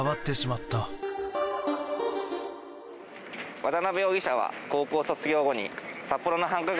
渡邉容疑者は高校卒業後に札幌の繁華街